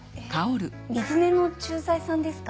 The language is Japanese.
水根の駐在さんですか？